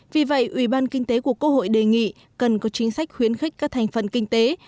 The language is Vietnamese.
vì vậy ủy ban kinh tế của quốc hội đề nghị cần có chính sách khuyến khích các thành phần kinh tế